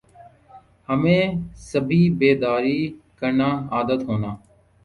ہمیں صبح بیداری کرنا عادت ہونا